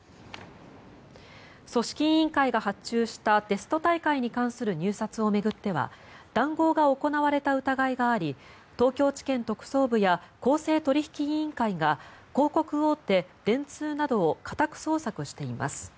組織委員会が発注したテスト大会に関する入札を巡っては談合が行われた疑いがあり東京地検特捜部や公正取引委員会が広告大手、電通などを家宅捜索しています。